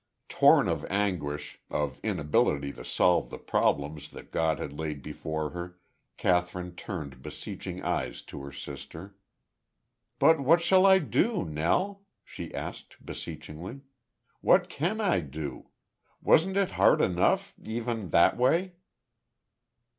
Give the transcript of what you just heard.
Torn of anguish, of inability to solve the problems that God had laid before her, Kathryn turned beseeching eyes to her sister. "But what shall I do, Nell?" she asked, beseechingly. "What can I do.... Wasn't it hard enough, even that way?"